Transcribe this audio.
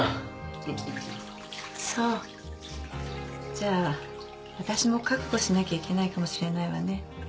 じゃあ私も覚悟しなきゃいけないかもしれないわね。